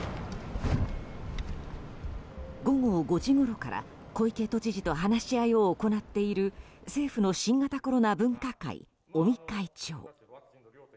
午後５時ごろから小池都知事と話し合いを行っている政府の新型コロナ分科会尾身会長。